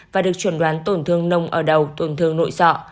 và được chuẩn đoán tổn thương nông ở đầu tổn thương nội sọ